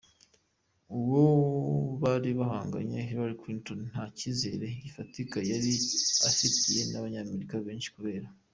Uwo bari bahanganye Hilary Clinton nta cyizere gifatika yari afitiwe n’abanyamerika benshi kubera :